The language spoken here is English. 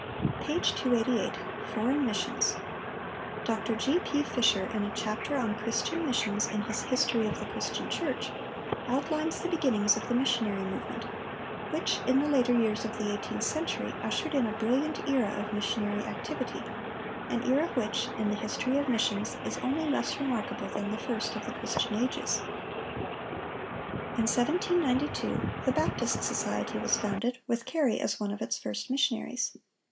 Page 288. FOREIGN MISSIONS.—Dr. G. P. Fisher, in a chapter on "Christian Missions" in his "History of the Christian Church," outlines the beginnings of the missionary movement, which, in "the later years of the eighteenth century, ushered in a brilliant era of missionary activity, an era which, in the history of missions, is only less remarkable than the first of the Christian ages." In 1792, "the Baptist society was founded, with Carey as one of its first missionaries.